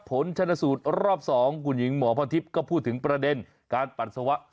ผลชนสูตรรอบ๒คุณหญิงหมอพรทิพย์ก็พูดถึงประเด็นการปัสสาวะ